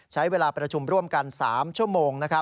ใช้เวลาประชุมร่วมกัน๓ชั่วโมง